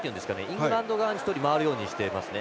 イングランド側に１人、回るようにしてますね。